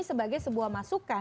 sebagai sebuah masukan